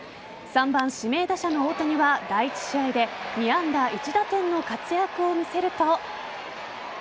３番・指名打者の大谷は第１試合で２安打１打点の活躍を見せると。